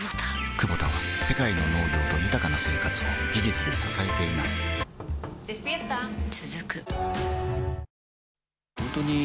クボタは世界の農業と豊かな生活を技術で支えています起きて。